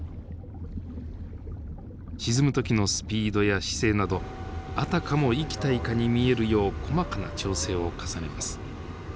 沈む時のスピードや姿勢などあたかも生きたイカに見えるよう細かな調整を重ねます。